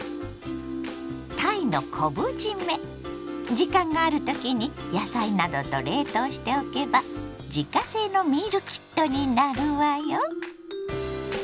時間がある時に野菜などと冷凍しておけば自家製のミールキットになるわよ。